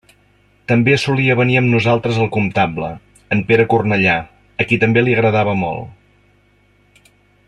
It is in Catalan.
També solia venir amb nosaltres el comptable, en Pere Cornellà, a qui també li agradava molt.